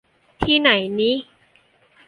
ที่ไหนนิ